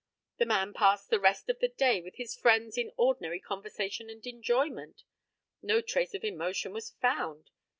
The man passed the rest of the day with his friends in ordinary conversation and enjoyment. No trace of emotion was found.